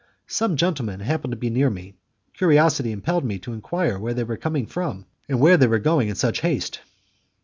Some gentleman happened to be near me, curiosity impelled me to enquire where they were coming from, and where they were going in such haste.